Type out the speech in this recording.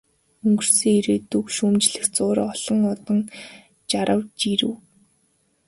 Өнгөрсөн ирээдүйг шүүмжлэх зуур олон одон жарав, жирэв.